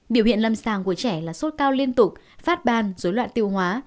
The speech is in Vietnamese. biểu hiện lâm sàng của trẻ là sốt cao liên tục phát ban dối loạn tiêu hóa